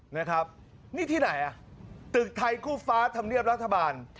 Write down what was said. นะครับนี่ที่ไหนอ่ะตึกไทยคู่ฟ้าธรรมเนียบรัฐบาล